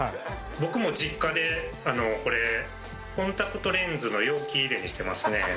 僕も実家でこれコンタクトレンズの容器入れにしてますね。